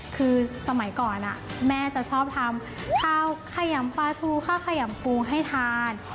คือสมัยก่อนแม่จะชอบทำข้าวขยำปลาทูข้าวขยำปูให้ทาน